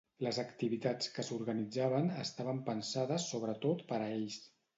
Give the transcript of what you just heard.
Les activitats que s'organitzaven estaven pensades sobretot per a ells.